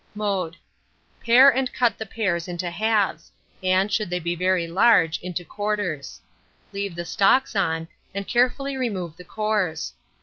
Mode. Pare and cut the pears into halves, and, should they be very large, into quarters; leave the stalks on, and carefully remove the cores.